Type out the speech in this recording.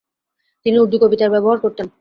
তিনি উর্দু কবিতায় ব্যবহার করতেন।